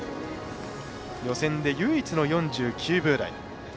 予選で唯一の４９秒台。